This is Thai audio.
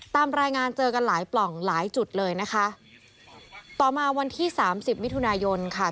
ตามรายงานเจอกันหลายปล่องหลายจุดเลยนะคะต่อมาวันที่สามสิบมิถุนายนค่ะ